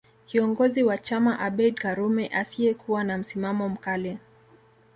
Kiongozi wa chama Abeid Karume asiyekuwa na msimamo mkali